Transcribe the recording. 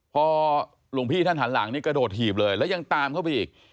พอหลวงพี่ท่านหันหลังนี่กระโดดหีบเลยแล้วยังตามเข้าไปอีก